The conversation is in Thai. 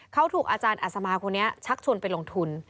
เขาถูกอาจารย์อัฐมาคุณ๑๙๖๐นชักชวนไปลงทุน